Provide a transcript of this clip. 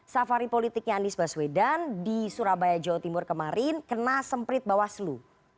safari politiknya andi sbaswedan di surabaya jawa timur kemarin kena semprit bawah selu